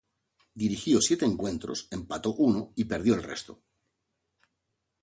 Dirigió siete encuentros, empató uno y perdió el resto.